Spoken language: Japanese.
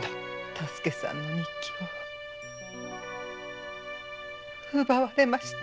多助さんの日記を奪われました。